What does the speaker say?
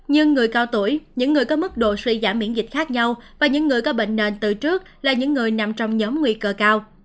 nhưng người cao tuổi những người có mức độ suy giảm miễn dịch khác nhau và những người có bệnh nền từ trước là những người nằm trong nhóm nguy cơ cao